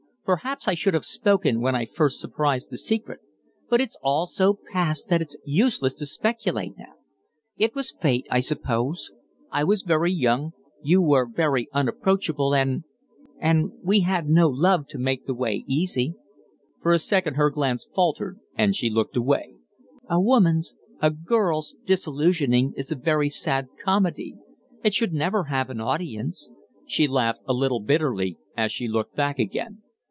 Perhaps I should have spoken when I first surprised the secret, but it's all so past that it's useless to speculate now. It was fate, I suppose. I was very young, you were very unapproachable, and and we had no love to make the way easy." For a second her glance faltered and she looked away. "A woman's a girl's disillusioning is a very sad comedy it should never have an audience." She laughed a little bitterly as she looked back again.